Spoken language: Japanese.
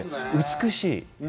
美しい！